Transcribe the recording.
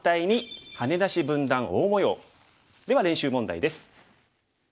では練習問題です。